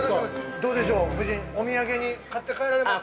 ◆どうでしょう、夫人、お土産に買って帰られます？